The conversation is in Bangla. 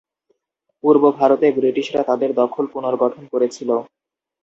পূর্ব ভারতে ব্রিটিশরা তাদের দখল পুনর্গঠন করছিল।